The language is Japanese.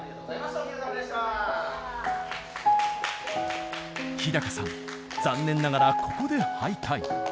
樋さん残念ながらここで敗退。